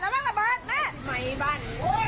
แม่น้ำมันระบาดแม่น้ำมันระบาด